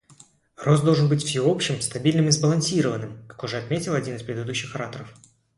Рост должен быть всеобщим, стабильным и сбалансированным, как уже отметил один из предыдущих ораторов.